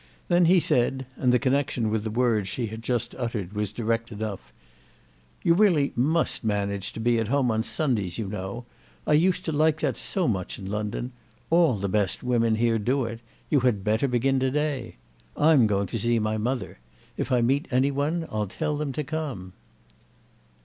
Then he said—and the connexion with the words she had just uttered was direct enough—"You really must manage to be at home on Sundays, you know. I used to like that so much in London. All the best women here do it. You had better begin to day. I'm going to see my mother. If I meet any one I'll tell them to come."